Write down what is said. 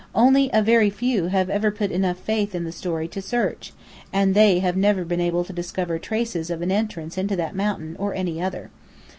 "Only a very few have ever put enough faith in the story to search, and they have never been able to discover traces of an entrance into that mountain or any other.